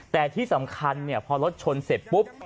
แต่ที่สำคัญพอรถชนเสร็จปุ๊บ